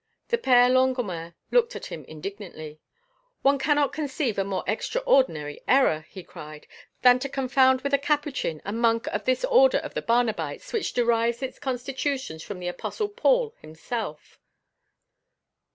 The Père Longuemare looked at him indignantly: "One cannot conceive a more extraordinary error," he cried, "than to confound with a Capuchin a monk of this Order of the Barnabites which derives its constitutions from the Apostle Paul himself."